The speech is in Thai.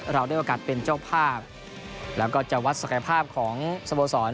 เราได้โอกาสเป็นเจ้าภาพแล้วก็จะวัดศักยภาพของสโมสร